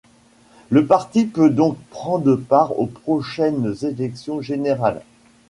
Le parti peut donc prendre part aux prochaines élections générales.